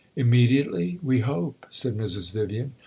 "Immediately, we hope," said Mrs. Vivian.